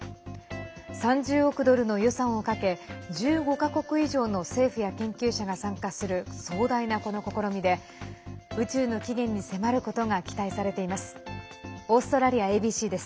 ３０億ドルの予算をかけ１５か国以上の政府や研究者が参加する壮大な、この試みで宇宙の起源に迫ることが期待されています。